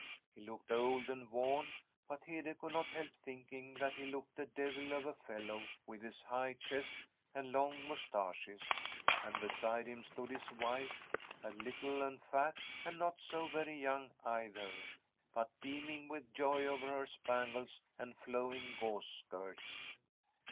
He looked old and worn, but Hede could not help thinking that he looked a devil of a fellow with his high chest and long moustaches. And beside him stood his wife, little and fat, and ["1 Tbi STORY of a COUNTRY HOUSE not so very young either, but beaming with joy over her spangles and flowing gauze skirts.